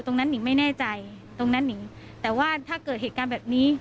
หนิงไม่แน่ใจตรงนั้นนิงแต่ว่าถ้าเกิดเหตุการณ์แบบนี้